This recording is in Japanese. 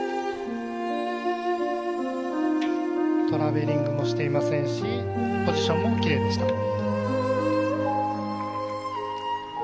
トラベリングもしていませんしポジションも奇麗でした。